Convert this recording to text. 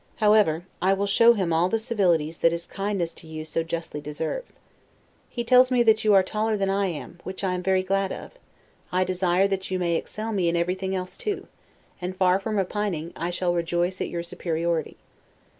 However, I will show him all the civilities that his kindness to you so justly deserves. He tells me that you are taller than I am, which I am very glad of: I desire that you may excel me in everything else too; and, far from repining, I shall rejoice at your superiority.